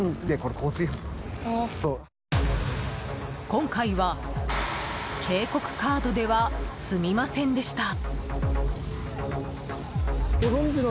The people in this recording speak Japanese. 今回は警告カードでは済みませんでした。